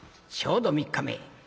ちょうど３日目。